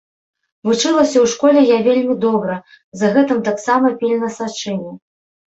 Вучылася ў школе я вельмі добра, за гэтым таксама пільна сачылі.